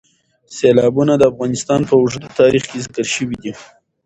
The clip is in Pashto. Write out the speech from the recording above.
سیلابونه د افغانستان په اوږده تاریخ کې ذکر شوی دی.